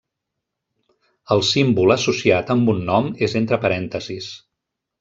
El símbol associat amb un nom és entre parèntesis.